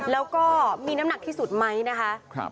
แล้วก็มีน้ำหนักที่สุดไหมนะคะ